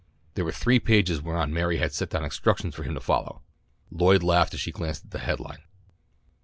There were three pages whereon Mary had set down instructions for him to follow. Lloyd laughed as she glanced at the head line.